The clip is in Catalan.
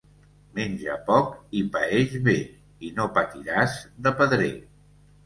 Menja poc i paeix bé i no patiràs de pedrer.